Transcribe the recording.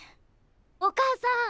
お母さん！